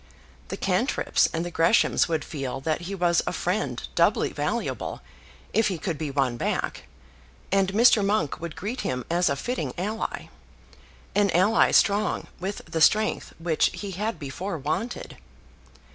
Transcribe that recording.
The Cantrips and the Greshams would feel that he was a friend doubly valuable, if he could be won back; and Mr. Monk would greet him as a fitting ally, an ally strong with the strength which he had before wanted.